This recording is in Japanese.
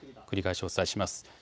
繰り返しお伝えします。